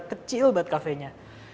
kecil banget cafe nya